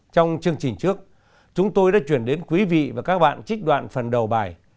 trong chương trình trước chúng tôi đã chuyển đến quý vị và các bạn trích đoạn phần đầu bài